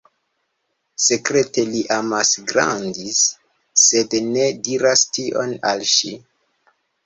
Sekrete li amas Grandis, sed ne diras tion al ŝi.